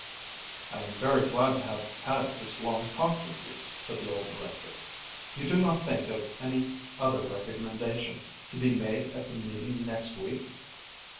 "I am very glad to have had this long talk with you," said the old director. "You do not think of any other recommendations to be made at the meeting next week?"